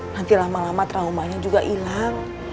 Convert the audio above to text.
nanti lama lama traumanya juga hilang